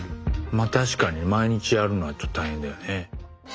まあ確かに毎日やるのはちょっと大変だよね。